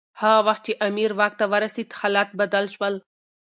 هغه وخت چي امیر واک ته ورسېد حالات بدل شول.